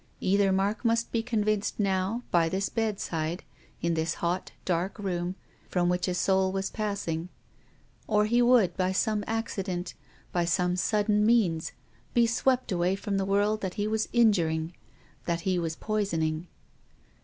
165 Either Mark must be convinced now, by this bedside, in this hot, dark room from which a soul was passing, or he would, by some accident, by some sudden means, be swept away from the world that he was injuring, that he was poisoning.